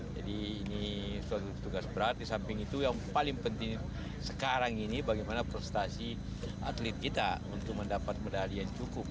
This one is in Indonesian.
jadi ini suatu tugas berat di samping itu yang paling penting sekarang ini bagaimana prestasi atlet kita untuk mendapat medali yang cukup